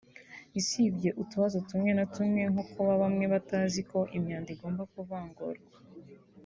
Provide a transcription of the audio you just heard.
usibye utubazo tumwe na tumwe nko kuba bamwe batazi ko imyanda igomba kuvangurwa